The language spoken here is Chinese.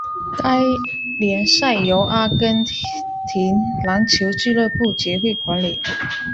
该联赛由阿根廷篮球俱乐部协会管理。